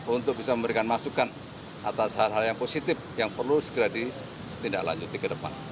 untuk bisa memberikan masukan atas hal hal yang positif yang perlu segera ditindak lanjut di kedepan